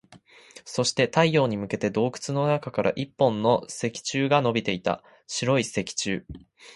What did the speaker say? そして、太陽に向けて洞窟の中から一本の石柱が伸びていた。白い石柱。